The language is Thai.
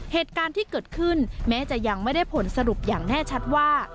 เหตุการณ์ที่เกิดขึ้นแม้จะยังไม่ได้ผลสรุปอย่างแน่ชัดว่า